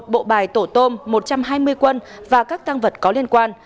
một bộ bài tổ tôm một trăm hai mươi quân và các tăng vật có liên quan